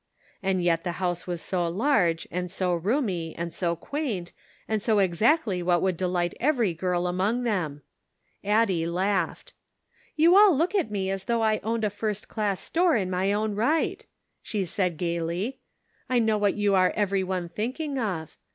And yet the house was so large, and so roomy, and so quaint, and so exactly what would delight every girl among them ! Addie laughed. "You all look at me as though I owned a first class store in my own right," she said, gaily. "I know what you are every one thinking of.